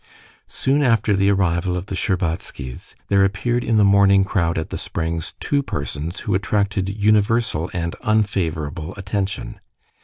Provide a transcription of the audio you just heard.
Soon after the arrival of the Shtcherbatskys there appeared in the morning crowd at the springs two persons who attracted universal and unfavorable attention.